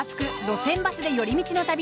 路線バスで寄り道の旅」